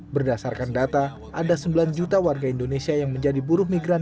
berdasarkan data ada sembilan juta warga indonesia yang menjadi buruh migran